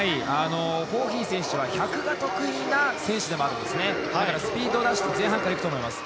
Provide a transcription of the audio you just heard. ホーヒー選手は１００が得意な選手でもありだからスピードを出して前半から行くと思います。